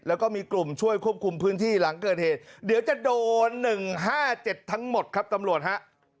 แล้วก็มีกลุ่มช่วยควบคุมพื้นที่หลังเกิดเหตุเดี๋ยวจะโดน๑๕๗ทั้งหมดครับตำรวจฮะ